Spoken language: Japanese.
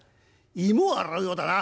芋を洗うようだな。